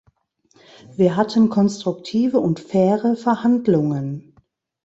Wir hatten konstruktive und faire Verhandlungen.